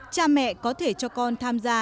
cha mẹ có thể cho con tham gia